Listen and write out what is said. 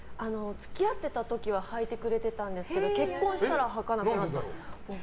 付き合ってた時ははいてくれてたんですけど結婚したらはかなくなった。